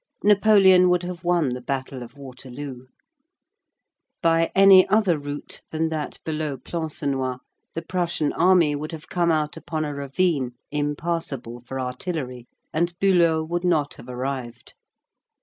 Napoleon would have won the battle of Waterloo. By any other route than that below Plancenoit, the Prussian army would have come out upon a ravine impassable for artillery, and Bülow would not have arrived.